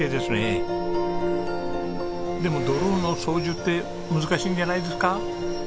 でもドローンの操縦って難しいんじゃないですか？